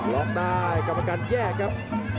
ล็อกได้กรรมการแยกครับ